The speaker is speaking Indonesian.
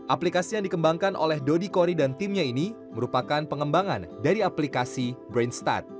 aplikasi yang dikembangkan oleh dodi kori dan timnya ini merupakan pengembangan dari aplikasi brainstart